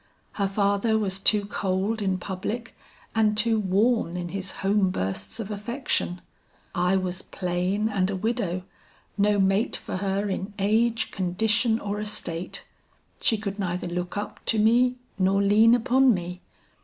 Her father was too cold in public and too warm in his home bursts of affection. I was plain and a widow; no mate for her in age, condition or estate. She could neither look up to me nor lean upon me.